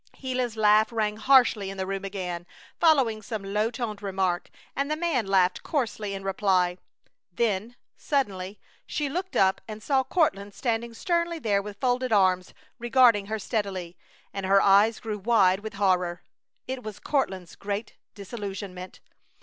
Gila's laugh rang harshly in the room again, following some low toned remark, and the man laughed coarsely in reply. Then, suddenly, she looked up and saw Courtland standing sternly there with folded arms, regarding her steadily, and her eyes grew wide with horror. It was Courtland's great disillusionment.